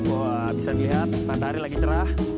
wah bisa dilihat matahari lagi cerah